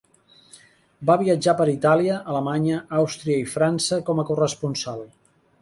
Va viatjar per Itàlia, Alemanya, Àustria i França com a corresponsal.